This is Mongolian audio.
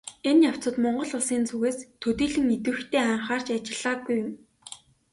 Энэ явцад Монгол Улсын зүгээс төдийлөн идэвхтэй анхаарч ажиллаагүй юм.